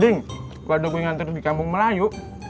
ding waktu gue ngantri di kampung melayu